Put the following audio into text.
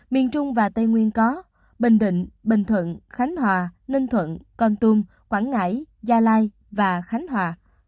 miền trung và tây nguyên có bình định bình thuận khánh hòa ninh thuận con tum quảng ngãi gia lai và khánh hòa